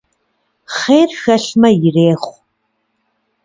Хъер хэлъмэ, ирехъу.